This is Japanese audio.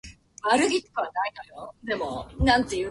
明日は、誕生日です。